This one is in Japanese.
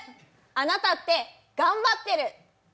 あなたって、頑張ってる。